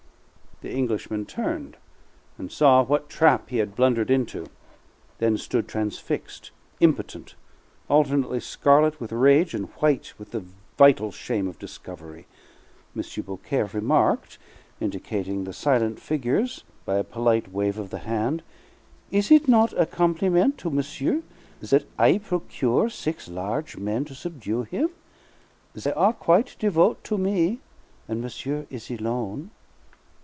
The Englishman turned, and saw what trap he had blundered into; then stood transfixed, impotent, alternately scarlet with rage and white with the vital shame of discovery. M. Beaucaire remarked, indicating the silent figures by a polite wave of the hand, "Is it not a compliment to monsieur that I procure six large men to subdue him? They are quite devote' to me, and monsieur is alone.